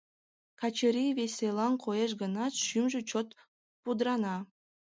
Качырий веселан коеш гынат, шӱмжӧ чот пудрана.